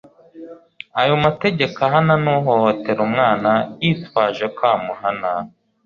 ayo mategeko ahana n'uhohotera umwana yitwaje ko amuhana